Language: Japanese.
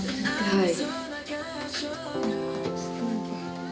はい。